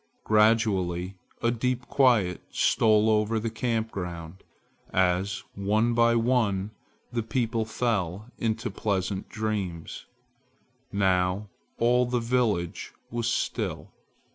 Gradually a deep quiet stole over the camp ground, as one by one the people fell into pleasant dreams. Now all the village was still.